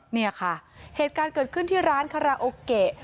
เนี่ยค่ะเหตุการณ์เกิดขึ้นที่ร้านคาราโอเกะ